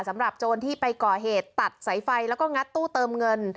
โจรที่ไปก่อเหตุตัดสายไฟแล้วก็งัดตู้เติมเงิน